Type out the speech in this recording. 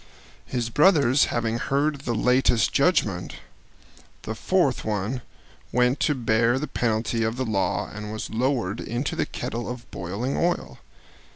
His brothers having heard the latest judgment, the fourth one went to bear the penalty of the law and was lowered into the kettle of boiling oil.